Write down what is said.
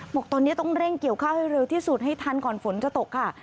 บอกตอนนี้ต้องเร่งเกี่ยวข้าวให้เร็วที่สุดให้ทันก่อนฝนจะตกค่ะ